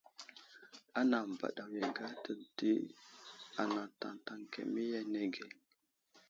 Anaŋ məbaɗeŋiyo age ahtu di anaŋ taŋtaŋ kemiya anege.